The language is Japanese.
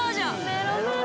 メロメロ